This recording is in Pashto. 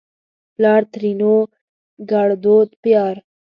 پلار؛ ترينو ګړدود پيار